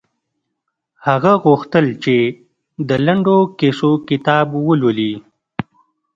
هغه غوښتل چې د لنډو کیسو کتاب ولولي